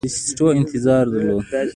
بریسټو انتظار درلود.